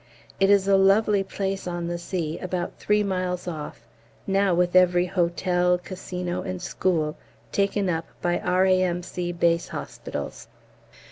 It is a lovely place on the sea, about three miles off, now with every hotel, casino, and school taken up by R.A.M.C. Base Hospitals.